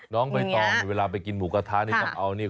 น้องใบตองเวลาไปกินหมูกระทะนี่ต้องเอานี่